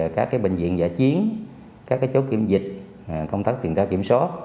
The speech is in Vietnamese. các bệnh viện giả chiến các chỗ kiểm dịch công tác tiền tra kiểm soát